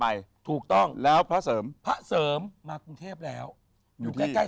ไปถูกต้องแล้วพระเสริมพระเสริมมากรุงเทพแล้วอยู่ใกล้ใกล้